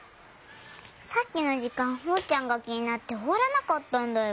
さっきのじかんおうちゃんがきになっておわらなかったんだよ。